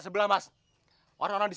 siapa itu sih mengungkapku